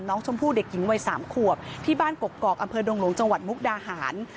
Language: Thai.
น้องชมพู่เด็กหญิงวัย๓ขวบที่บ้านกกอกอำเภอดงหลวงจังหวัดมุกดาหาร